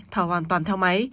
thở hoàn toàn theo máy